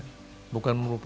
bukan dari penghargaan atau apa